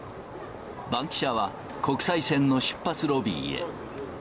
バンキシャは国際線の出発ロビーへ。